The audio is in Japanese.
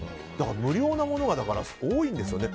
無料なものが多いんですよね。